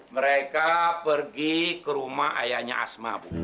mereka pergi ke rumah ayahnya asma